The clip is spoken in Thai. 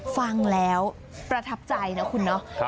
ฟังแล้วประทับใจนะคุณเนาะ